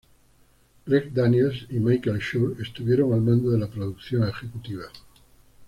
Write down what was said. Greg Daniels y Michael Schur estuvieron al mando de la producción ejecutiva.